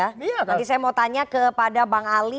nanti saya mau tanya kepada bang ali